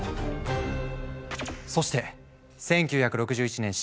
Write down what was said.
そして１９６１年４月。